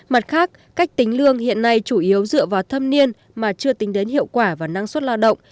mặt khác cách tính lương hiện nay chủ yếu dựa vào thâm niên mà chưa tính đến hiệu quả và năng suất lao động